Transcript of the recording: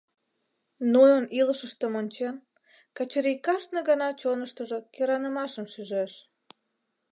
Нунын илышыштым ончен, Качырий кажне гана чоныштыжо кӧранымашым шижеш.